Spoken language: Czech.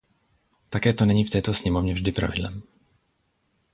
Také to není v této sněmovně vždy pravidlem.